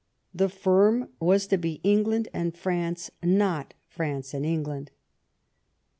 The firm was to be England and France, not France and England.